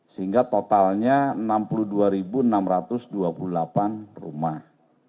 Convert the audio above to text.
sehingga totalnya enam puluh dua enam ratus dua puluh delapan rumah